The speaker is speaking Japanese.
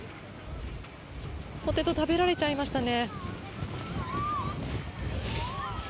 ポテト食べられちゃいましたね。